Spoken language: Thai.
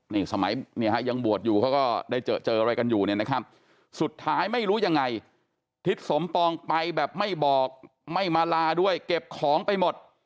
นี่สมัยเนี่ยฮะยังบวชอยู่เขาก็ได้เจอเจออะไรกันอยู่เนี่ยนะครับสุดท้ายไม่รู้ยังไงทิศสมปองไปแบบไม่บอกไม่มาลาด้วยเก็บของไปหมด